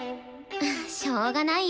しょうがないよ。